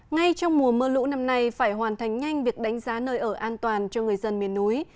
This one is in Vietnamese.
ngay trong mùa mưa lũ năm nay phải hoàn thành nhanh việc đánh giá nơi ở an toàn cho người dân miền núi